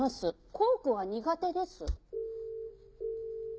「コークは苦手です」